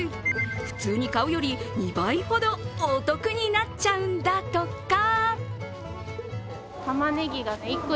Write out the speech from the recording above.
普通に買うより２倍ほどお得になっちゃうんだとか。